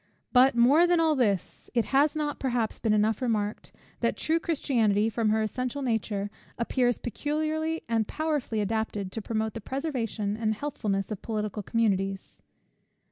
But, more than all this; it has not perhaps been enough remarked, that true Christianity, from her essential nature, appears peculiarly and powerfully adapted to promote the preservation and healthfulness of political communities.